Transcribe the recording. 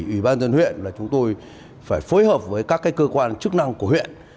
ủy ban dân huyện là chúng tôi phải phối hợp với các cơ quan chức năng của huyện